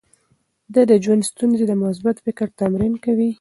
د ژوند ستونزې د مثبت فکر تمرین کوي.